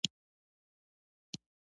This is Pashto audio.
خان زمان وویل، دوه سوه لیرې نو څه شی دي؟